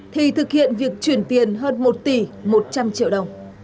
thì thực hiện việc chuyển tiền hơn một tỷ một trăm linh triệu đồng